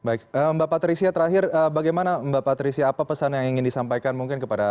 baik mbak patricia terakhir bagaimana mbak patricia apa pesan yang ingin disampaikan mungkin kepada